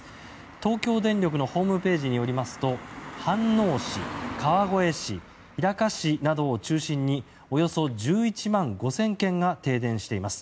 東京電力のホームページによりますと飯能市、川越市、日高市などを中心におよそ１１万５０００軒が停電しています。